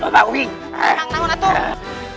rasanya kita turun tartas